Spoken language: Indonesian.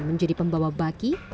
menjadi pembawa baki